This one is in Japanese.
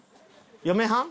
嫁はん？